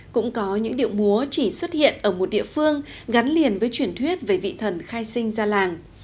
cũng có những điệu múa chỉ xuất hiện ở một địa phương gắn liền với truyền thuyết về vị thần khai sinh ra làng